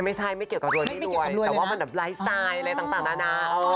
ไม่ใช่ไม่เกี่ยวกับรวยไม่รวยแต่ว่ามันแบบไลฟ์สไตล์อะไรต่างนานา